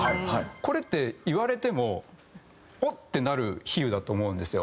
これって言われても「おっ」ってなる比喩だと思うんですよ。